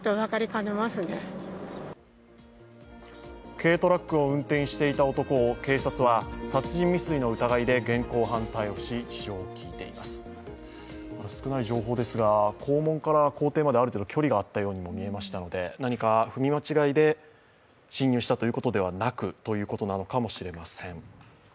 軽トラックを運転していた男を警察は殺人未遂の疑いで現行犯逮捕し、事情を聴いています少ない情報ですが、校門から校庭まで距離があったように見えましたので何か踏み間違いで侵入したということではなくということなのかもしれません。